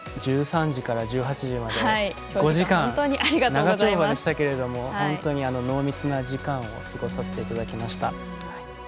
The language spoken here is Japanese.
１３時から１８時まで５時間、長丁場でしたけれども本当に濃密な時間を過ごさせていただきました。